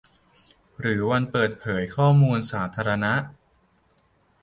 หรือวันเปิดเผยข้อมูลสาธารณะ